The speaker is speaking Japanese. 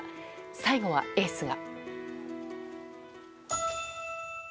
最後はエースが。